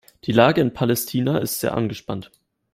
Die Lage in Palästina ist sehr angespannt.